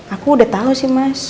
aku udah tahu sih mas